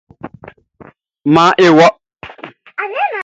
Maan e wɔ.